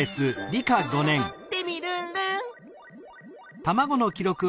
テミルンルン！